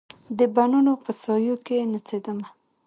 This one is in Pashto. د بڼوڼو په سایو کې نڅېدمه